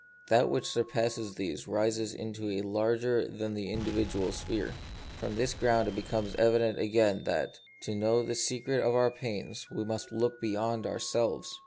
That which surpasses these rises into a larger than the individual sphere. From this ground it becomes evident again that, to know the secret of our pains, we must look beyond ourselves.